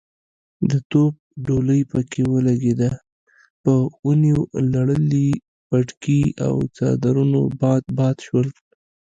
د توپ ډولۍ پکې ولګېده، په ونيو لړلي پټکي او څادرونه باد باد شول.